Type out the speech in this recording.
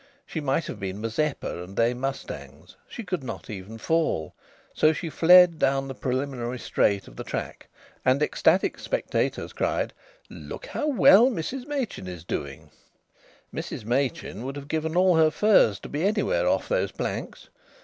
She might have been Mazeppa and they mustangs. She could not even fall. So she fled down the preliminary straight of the track, and ecstatic spectators cried: "Look how well Mrs Machin is doing!" Mrs Machin would have given all her furs to be anywhere off those planks.